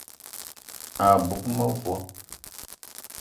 A bug mevo